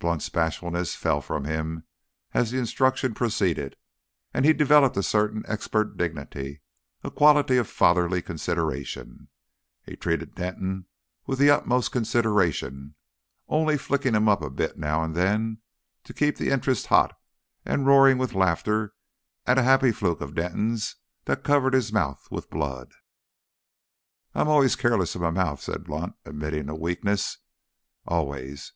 Blunt's bashfulness fell from him as the instruction proceeded, and he developed a certain expert dignity, a quality of fatherly consideration. He treated Denton with the utmost consideration, only "flicking him up a bit" now and then, to keep the interest hot, and roaring with laughter at a happy fluke of Denton's that covered his mouth with blood. "I'm always keerless of my mouth," said Blunt, admitting a weakness. "Always.